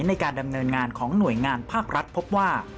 ในการดำเนินงานของหน่วยงานภาครัฐพบว่า